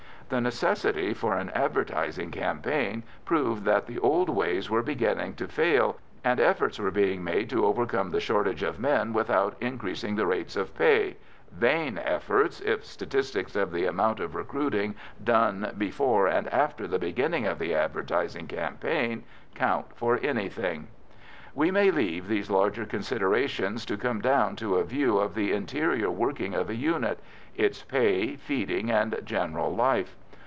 The necessity for an advertising campaign proved that the old ways were beginning to fail, and efforts were being made to overcome the shortage of men without increasing the rates of pay vain efforts, if statistics of the amount of recruiting done before and after the beginning of the advertising campaign count for anything. We may leave these larger considerations to come down to a view of the interior working of a unit, its pay, feeding, and general life.